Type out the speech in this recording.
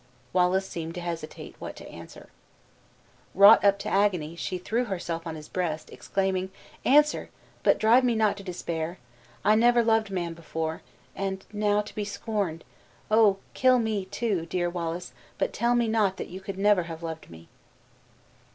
Wallace seemed to hesitate what to answer. Wrought up to agony, she threw herself on his breast, exclaiming, "Answer! but drive me not to despair. I never loved man before and now to be scorned! Oh, kill me, too, dear Wallace, but tell me not that you never could have loved me."